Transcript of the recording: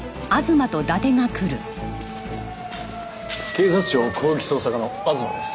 警察庁広域捜査課の東です。